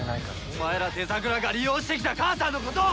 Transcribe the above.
お前らデザグラが利用してきた母さんのことを！